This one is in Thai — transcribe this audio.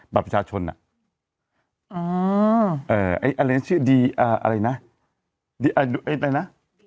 บรรพชาชนอ่ะอือเอ่อเอ่ยอะไรชื่อดีเอ่ออะไรนะเอ่ออะไรนะ